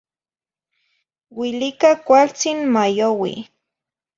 Uilica cualtzih n mayoui.